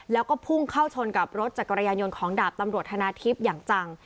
แล้วก็พุ่งเข้าชนกับรถจักรยานยนต์ของดาบตำรวจธนาทิพย์อย่างจัง